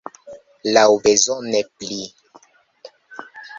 Laŭbezone pli.